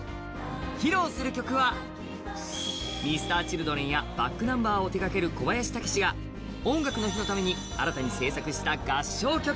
披露する曲は、Ｍｒ．Ｃｈｉｌｄｒｅｎやｂａｃｋｎｕｍｂｅｒを手がける小林武史が「音楽の日」のために新たに制作した合唱曲。